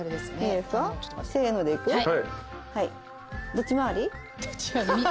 どっち回り？